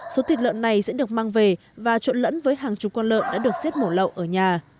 số thịt lợn này sẽ được mang về và trộn lẫn với hàng chục con lợn đã được giết mổ lậu ở nhà